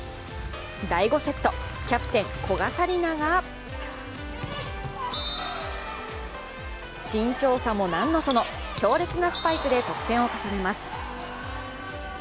第５セット、キャプテン・古賀紗理那が身長差もなんのその強烈なスパイクで得点を重ねます。